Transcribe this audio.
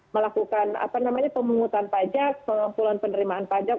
melakukan pemungutan pajak pengumpulan penerimaan pajak